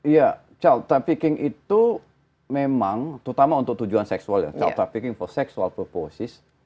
ya child trafficking itu memang terutama untuk tujuan seksual ya child trafficking for sexual purposis